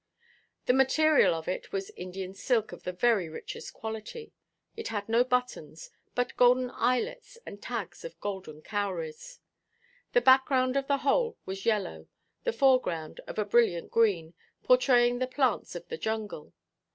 The material of it was Indian silk of the very richest quality. It had no buttons, but golden eyelets and tags of golden cowries. The background of the whole was yellow, the foreground of a brilliant green, portraying the plants of the jungle.